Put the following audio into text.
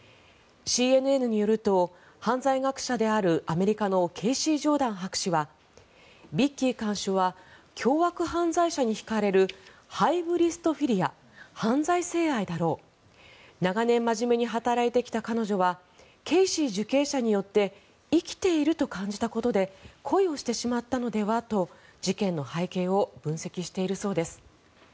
ＣＮＮによると犯罪学者であるアメリカのケイシー・ジョーダン博士はビッキー看守は凶悪犯罪者に引かれるハイブリストフィリア犯罪性愛だろう長年、真面目に働いてきた彼女はケイシー受刑者によって生きていると感じたことで恋をしてしまったのではと事件の背景を分析しているそうです。